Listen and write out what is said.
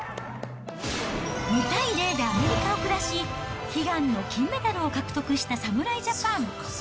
２対０でアメリカを下し、悲願の金メダルを獲得した侍ジャパン。